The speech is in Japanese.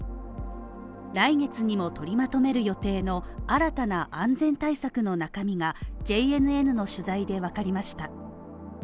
来月にも取りまとめる予定の新たな安全対策の中身が、ＪＮＮの取材でわかりました。